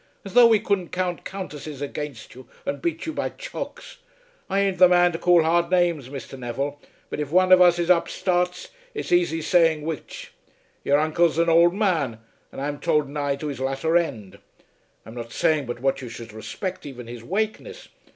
As though we couldn't count Countesses against you and beat you by chalks! I ain't the man to call hard names, Mr. Neville; but if one of us is upstarts, it's aisy seeing which. Your uncle's an ould man, and I'm told nigh to his latter end. I'm not saying but what you should respect even his wakeness.